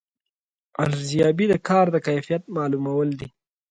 ارزیابي د کار د کیفیت معلومول دي